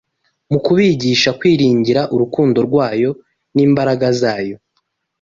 mu kubigisha kwiringira urukundo rwayo n’imbaraga zayo,